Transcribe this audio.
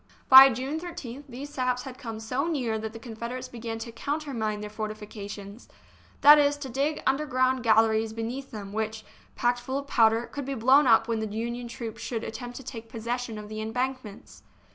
By June 13th these saps had come so near that the Confederates began to " countermine " their fortifications ; that is, to dig underground gal leries beneath them, which, packed full of powder, could be blown up when the Union troops should attempt to take possession of the embankments.